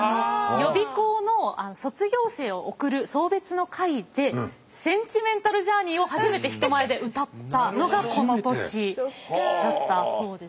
予備校の卒業生を送る送別の会で「センチメンタル・ジャーニー」を初めて人前で歌ったのがこの年だったそうです。